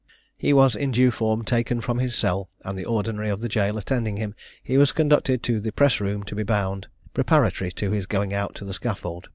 He was in due form taken from his cell, and the ordinary of the jail attending him, he was conducted to the press room to be bound, preparatory to his going out to the scaffold.